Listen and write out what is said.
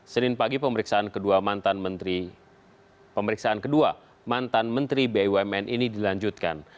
senin pagi pemeriksaan kedua mantan menteri bumn ini dilanjutkan